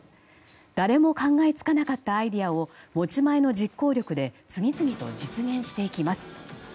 誰も考えつかなかったアイデアを持ち前の実行力で次々と実現していきます。